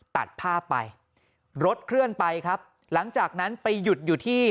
ตัดภาพไปรถเคลื่อนไปครับหลังจากนั้นไปหยุดอยู่ที่